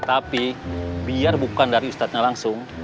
tapi biar bukan dari ustadznya langsung